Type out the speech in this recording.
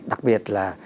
đặc biệt là